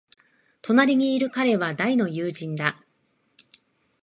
隣にいる彼は大の友人だ。